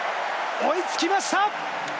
追いつけました！